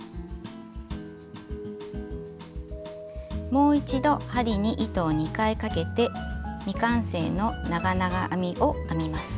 もう一度針に糸を２回かけて未完成の長々編みを編みます。